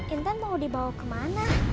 intan mau dibawa kemana